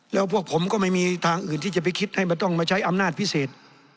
และผมก็ไม่มีทางอื่นที่จะไปคิดต้องใช้อำนาจพิเศษ